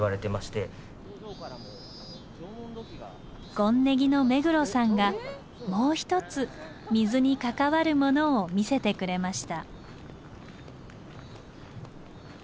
権禰宜の目黒さんがもう一つ水に関わるものを見せてくれました。